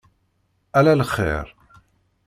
Ala lxir.